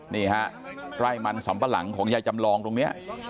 นี่ฮะไร่มันสำปะหลังของยายจำลองตรงนี้